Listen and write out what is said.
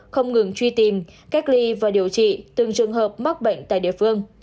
không ngừng truy tìm cách ly và điều trị từng trường hợp mắc bệnh tại địa phương